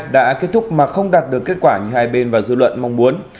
đã kết thúc mà không đạt được kết quả như hai bên và dư luận mong muốn